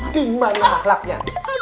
di mana makhluknya